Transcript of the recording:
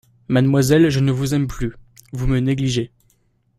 Mademoiselle, je ne vous aime plus ; vous me négligez.